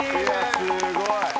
すごい。